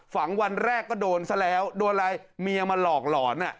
วันแรกก็โดนซะแล้วโดนอะไรเมียมาหลอกหลอน